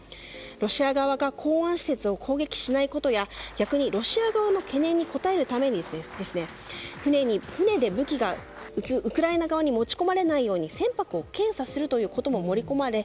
ロシア側が港湾施設を攻撃しないことや、逆にロシア側の懸念に応えるために船で武器がウクライナ側に持ち込まれないように船舶を検査するということも盛り込まれ